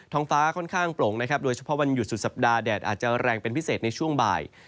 งฟ้าค่อนข้างโปร่งนะครับโดยเฉพาะวันหยุดสุดสัปดาห์แดดอาจจะแรงเป็นพิเศษในช่วงบ่าย